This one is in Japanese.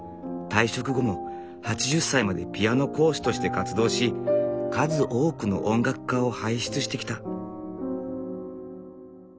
退職後も８０歳までピアノ講師として活動し数多くの音楽家を輩出してきた。